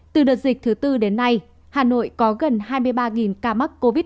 từ đợt dịch thứ tư đến nay hà nội có gần hai mươi ba ca mắc covid một mươi chín